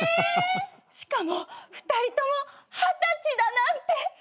しかも２人とも二十歳だなんて。ね！